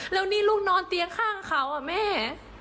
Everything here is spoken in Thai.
แล้วนี่ลูกนอนเตียงข้างเขาอ่ะแม่